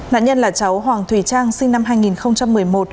nạn nhân là cháu hoàng thùy trang sinh năm hai nghìn